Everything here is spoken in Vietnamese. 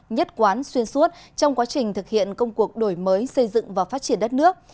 nhất quán xuyên suốt trong quá trình thực hiện công cuộc đổi mới xây dựng và phát triển đất nước